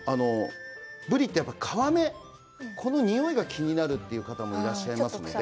ぶりって皮目のにおいが気になるという方がいらっしゃいますね。